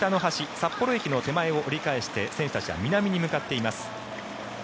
札幌駅の手前を折り返して選手たちは南に向かっています。